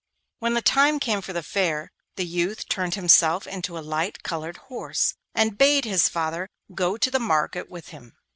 When the time came for the fair the youth turned himself into a light coloured horse, and bade his father go to the market with him.